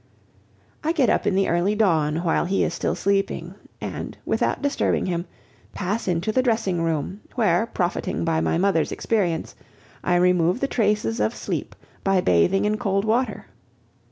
I get up in the early dawn, while he is still sleeping, and, without disturbing him, pass into the dressing room, where, profiting by my mother's experience, I remove the traces of sleep by bathing in cold water.